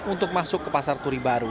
untuk masuk ke pasar turi baru